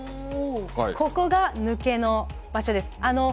ここが抜けの場所です。